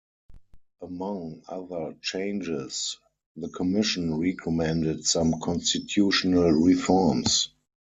Among other changes, the Commission recommended some constitutional reforms.